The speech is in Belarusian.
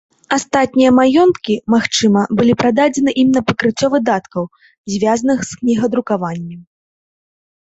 Астатнія маёнткі, магчыма, былі прададзены ім на пакрыццё выдаткаў, звязаных з кнігадрукаваннем.